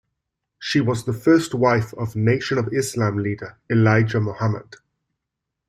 She was the first wife of Nation of Islam leader Elijah Muhammad.